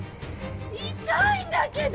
痛いんだけど。